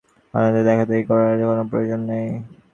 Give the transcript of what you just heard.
অন্যদের দেখাদেখি কিছু করার কোনো প্রয়োজন নেই।